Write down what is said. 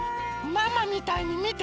ママみたいにみて！